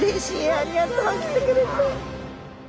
ありがとうきてくれて。